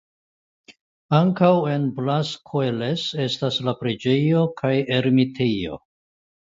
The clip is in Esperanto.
Ankaŭ en Blascoeles estas preĝejo kaj ermitejo.